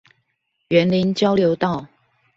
員林交流道